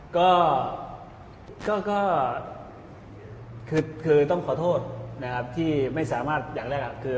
ก็คิดคือต้องขอโทษหรืออยากแรกคือ